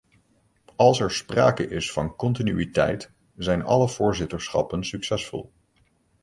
Als er sprake is van continuïteit, zijn alle voorzitterschappen succesvol.